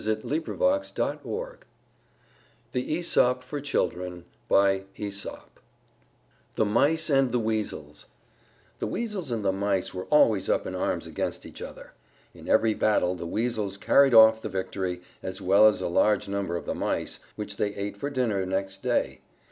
_ [Illustration: THE PEACOCK] THE MICE AND THE WEASELS The Weasels and the Mice were always up in arms against each other. In every battle the Weasels carried off the victory, as well as a large number of the Mice, which they ate for dinner next day.